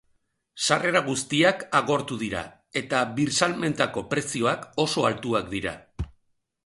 Sarrera guztiak agortu dira eta birsalmentako prezioak oso altuak dira.